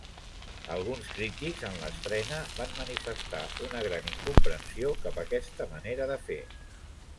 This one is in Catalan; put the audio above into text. Alguns crítics, en l'estrena, van manifestar una gran incomprensió cap aquesta manera de fer.